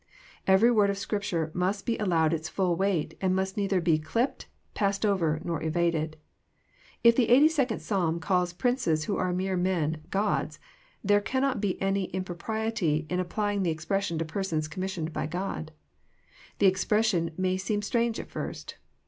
Every word of Scripture must be allowed its ftiU weight, and must neither be clipped, passed over, nor evaded. If the 82d Psalm calls princes who are mere men *<gods," there cannot be any impropriety in ap plying the expression to persons commissioned by God. The expression may seem strange at first.